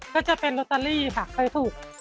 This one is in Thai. ก็จะเป็นโรตาลีค่ะเคยถูก